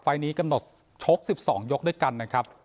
นี้กำหนดชก๑๒ยกด้วยกันนะครับ